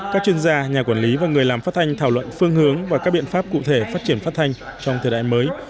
các chuyên gia nhà quản lý và người làm phát thanh thảo luận phương hướng và các biện pháp cụ thể phát triển phát thanh trong thời đại mới